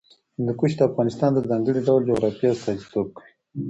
هندوکش د افغانستان د ځانګړي ډول جغرافیه استازیتوب کوي.